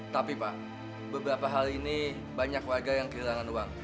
tapi pak beberapa hal ini banyak warga yang kehilangan uang